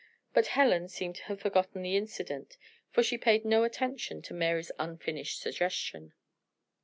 But Helen seemed to have forgotten the incident, for she paid no attention to Mary's unfinished suggestion.